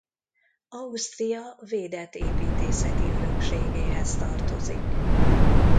Ausztria védett építészeti örökségéhez tartozik.